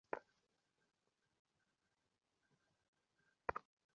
তবে ব্যাংকঋণের সুদের হার বৃদ্ধি পেলে বলে, এটি ব্যাংকগুলোই ঠিক করবে।